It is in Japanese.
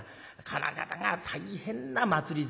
この方が大変な祭り